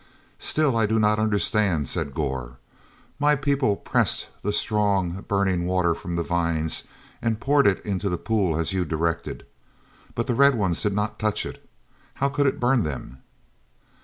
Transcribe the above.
"Still I do not understand," said Gor. "My people pressed the strong, burning water from the vines and poured it into the pool as you directed. But the Red Ones did not touch it—how could it burn them?"